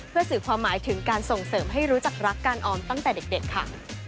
เพื่อสื่อความหมายถึงการส่งเสริมให้รู้จักรักการออมตั้งแต่เด็กค่ะ